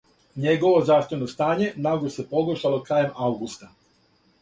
Његово здравствено стање нагло се погоршало крајем августа.